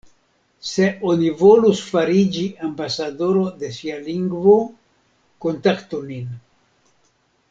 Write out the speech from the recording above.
Se oni volus fariĝi ambasadoro de sia lingvo, kontaktu nin.